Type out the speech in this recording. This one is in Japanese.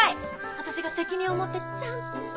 私が責任を持ってちゃんと食べるから。